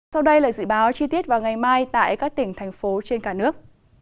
sau đây là dự báo chi tiết vào ngày mai tại các tỉnh thành phố trên cả nước